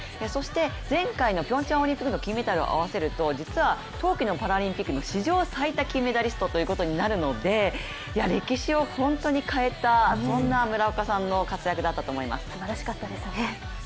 そして、前回のピョンチャンオリンピックの金メダルを合わせると実は冬季のパラリンピックの史上最多金メダリストということになるので歴史を変えたそんな村岡さんの活躍だったと思います。